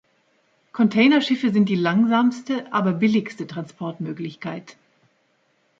Containerschiffe sind die langsamste aber billigste Transportmöglichkeit.